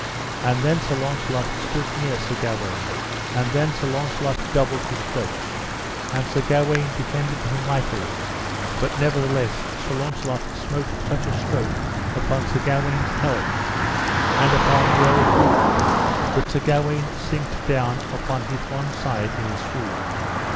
And then Sir Launcelot stood near Sir Gawaine, and then Sir Launcelot doubled his strokes; and Sir Gawaine defended him mightily, but nevertheless Sir Launcelot smote such a stroke upon Sir Gawaine's helm, and upon the old wound, that Sir Gawaine sinked down upon his one side in a swoon.